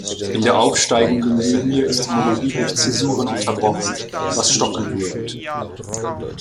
In der aufsteigenden Linie ist die Melodie durch Zäsuren unterbrochen, was stockend wirkt.